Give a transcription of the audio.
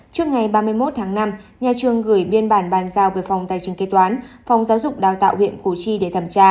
trước ngày ba mươi một tháng năm nhà trường gửi biên bản bàn giao về phòng tài chính kế toán phòng giáo dục đào tạo huyện củ chi để thẩm tra